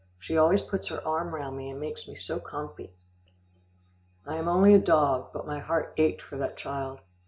She always puts her arm round me, and makes me so comfy." I am only a dog, but my heart ached for that child.